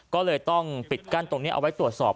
ก็เลยต้องปิดกั้นตรงนี้เอาไว้ตรวจสอบ